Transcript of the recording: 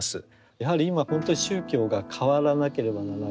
やはり今本当に宗教が変わらなければならない。